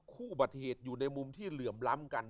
อุบัติเหตุอยู่ในมุมที่เหลื่อมล้ำกัน